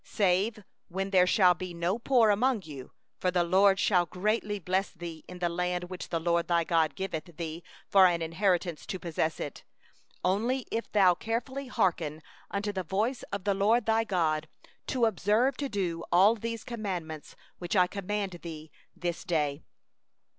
4Howbeit there shall be no needy among you—for the LORD will surely bless thee in the land which the LORD thy God giveth thee for an inheritance to possess it— 5if only thou diligently hearken unto the voice of the LORD thy God, to observe to do all this commandment which I command thee this day.